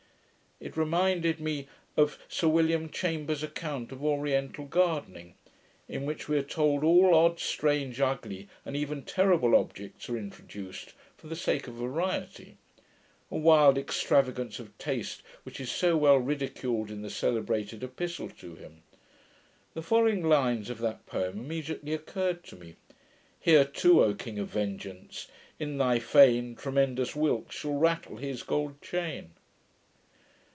It reminded me of Sir William Chambers's Account of Oriental Gardening, in which we are told all odd, strange, ugly, and even terrible objects, are introduced, for the sake of variety; a wild extravagance of taste which is so well ridiculed in the celebrated Epistle to him. The following lines of that poem immediately occurred to me; Here too, O king of vengeance! in thy fane, Tremendous Wilkes shall rattle his gold chain.